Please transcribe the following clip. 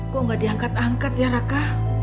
kok gak diangkat angkat ya raka